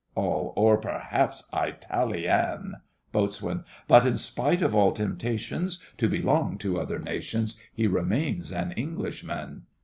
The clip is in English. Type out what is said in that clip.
ALL. Or perhaps Itali an! BOAT. But in spite of all temptations To belong to other nations, He remains an Englishman!